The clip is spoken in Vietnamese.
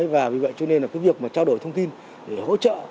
và vì vậy cho nên là cái việc mà trao đổi thông tin để hỗ trợ